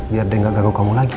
biar deh gak ganggu kamu lagi